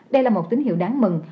đây là một tín hiệu đáng mừng